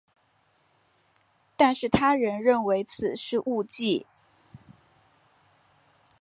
但是他人认为此是误记。